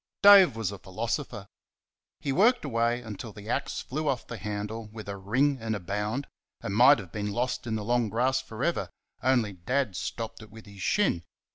Dave was a philosopher. He worked away until the axe flew off the handle with a ring and a bound, and might have been lost in the long grass for ever only Dad stopped it with his shin.